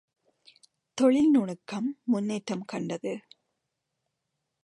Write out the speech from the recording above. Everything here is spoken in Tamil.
தொழில் நுணுக்கம் முன்னேற்றம் கண்டது.